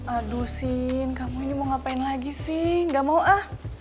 aduh sin kamu ini mau ngapain lagi sih gak mau ah